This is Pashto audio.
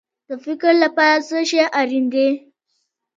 د فکر لپاره څه شی اړین دی؟